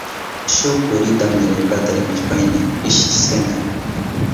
Shuk turita millaypata rimashpayni pishishkani.